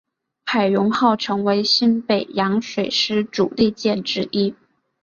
海容号成为新北洋水师主力舰之一。